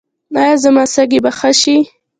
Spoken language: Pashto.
ایا زما سږي به ښه شي؟